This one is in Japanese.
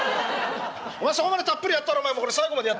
お前そこまでたっぷりやったらお前もう最後までやってくれ。